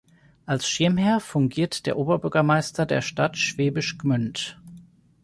Als Schirmherr fungiert der Oberbürgermeister der Stadt Schwäbisch Gmünd.